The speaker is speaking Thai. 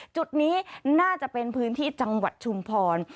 จุดนี้น่าจะเป็นพื้นที่จังหวัดชุมพร